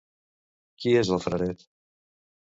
Qui és el Fraret?